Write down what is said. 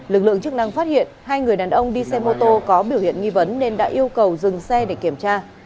lực lượng chức năng phát hiện hai người đàn ông đi xe mô tô có biểu hiện nghi vấn nên đã yêu cầu dừng xe để kiểm tra